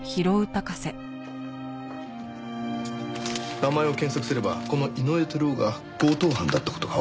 名前を検索すればこの井上輝男が強盗犯だった事がわかります。